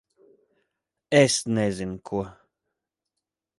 Es nezinu ko...